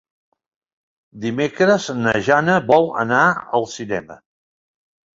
Dimecres na Jana vol anar al cinema.